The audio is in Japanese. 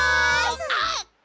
あっ！